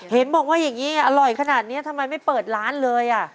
เห็นบอกว่าอร่อยขนาดนี้ทำไมไม่เปิดร้านเลยอ่ะ